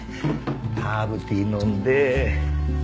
ハーブティー飲んでよいしょ。